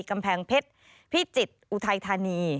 กำแพงเพชรพิจิตรอุทัยธานี